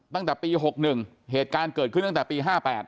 ตั้งแต่ปี๖๑เหตุการณ์เกิดขึ้นตั้งแต่ปี๕๘